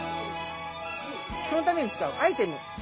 そのために使うアイテム。